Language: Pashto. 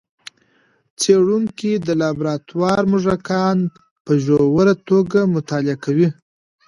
څېړونکي د لابراتوار موږکان په ژوره توګه مطالعه کوي.